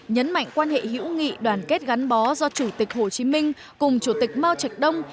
nhấn mạnh quan hệ hữu nghị đoàn kết gắn bó do chủ tịch hồ chí minh cùng chủ tịch mao trạch đông